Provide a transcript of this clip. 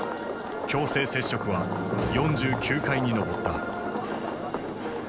強制摂食は４９回に上った。